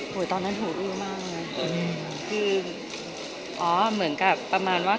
อเรนนี่ว่าพูดข่าวหรือพูดมาอะไร